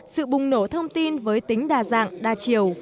sự bùng nổ thông tin với tính đa dạng đa chiều